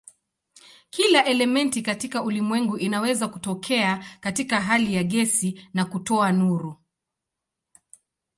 Kila elementi katika ulimwengu inaweza kutokea katika hali ya gesi na kutoa nuru.